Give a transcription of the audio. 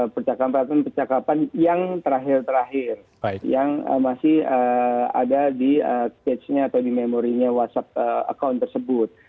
percakapan percakapan yang terakhir terakhir yang masih ada di memory nya whatsapp account tersebut